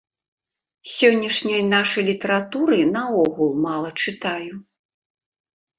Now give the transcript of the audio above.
Сённяшняй нашай літаратуры наогул мала чытаю.